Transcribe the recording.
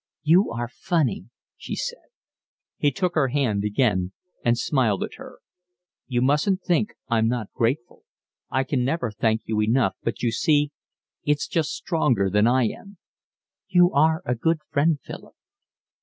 "You are funny," she said. He took her hand again and smiled at her. "You mustn't think I'm not grateful. I can never thank you enough, but you see, it's just stronger than I am." "You are a good friend, Philip."